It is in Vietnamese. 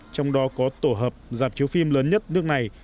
trong đó có tổ hợp giảm chiếu phim lớn nhất nước này